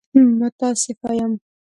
متاسفه يم!